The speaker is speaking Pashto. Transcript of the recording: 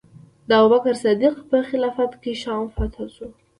د ابوبکر صدیق په خلافت کې شام فتح شو.